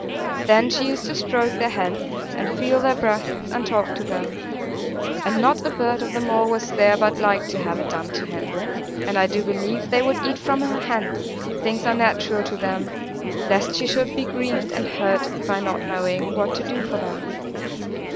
Then she used to stroke their heads, and feel their breasts, and talk to them; and not a bird of them all was there but liked to have it done to him. And I do believe they would eat from her hand things unnatural to them, lest she should he grieved and hurt by not knowing what to do for them.